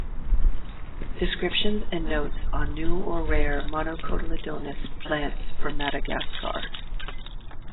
Descriptions and Notes on new or rare Monocotyledonous Plants from Madagascar